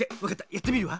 やってみるわ。